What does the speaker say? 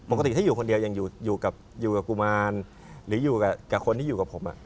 ปกติถ้าอยู่คนเดียวยังอยู่กับกุมารหรืออยู่กับคนที่อยู่กับผม